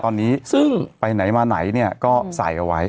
คือไปไหนมาไหนเนี่ยก็ใส่เอาไว้